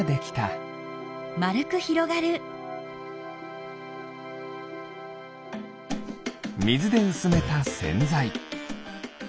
みずでうすめたせんざい。